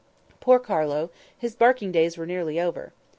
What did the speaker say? Poor Carlo! his barking days were nearly over.